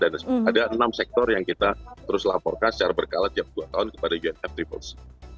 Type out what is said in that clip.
ada enam sektor yang kita terus laporkan secara berkala setiap dua tahun kepada unfccc